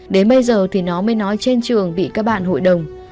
đến bây giờ thì nó mới nói trên trường bị các bạn hội đồng